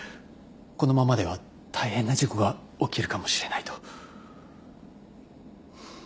このままでは大変な事故が起きるかもしれないと。